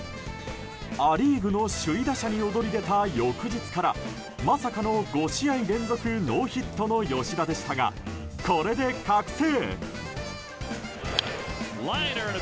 ア・リーグの首位打者に躍り出た翌日からまさかの５試合連続ノーヒットの吉田でしたが、これで覚醒。